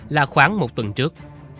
là khoảng một tuần trước